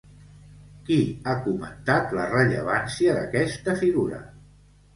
Qui ha comentat la rellevància d'aquesta figura?